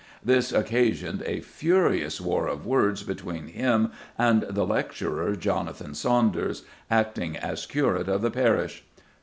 This occasioned "a furious war of words between him and the lecturer, Jonathan Saunders," acting as curate of the parish.